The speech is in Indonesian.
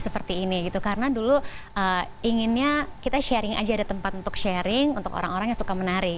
seperti ini gitu karena dulu inginnya kita sharing aja ada tempat untuk sharing untuk orang orang yang suka menari